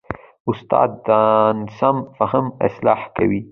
استاد د ناسم فهم اصلاح کوي.